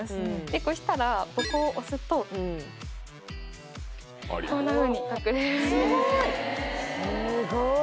でこうしたらここを押すとこんなふうに隠れますスゴい！